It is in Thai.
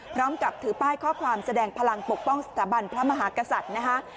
พร้อมกับถือป้ายข้อความแสดงพลังปกป้องสถาบันพระมหากษัตริย์นะคะ